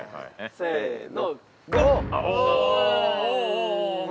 せの。